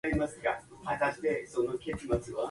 This is a means of preventing damage to the brain.